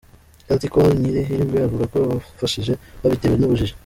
Lt Col Nyirihirwe avuga ko ababafashije babitewe n’ubujiji.